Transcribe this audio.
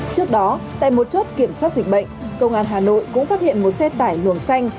trước đó tại một chốt kiểm soát dịch bệnh công an hà nội cũng phát hiện một xe tải luồng xanh